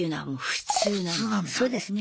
そうです。